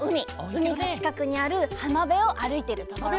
うみがちかくにあるはまべをあるいてるところ。